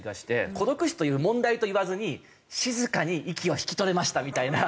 孤独死という問題といわずに静かに息を引き取りましたみたいな。